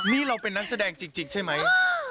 นี่เราเป็นนักแสดงจริงใช่ไหม